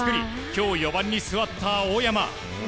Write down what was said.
今日、４番に座った大山。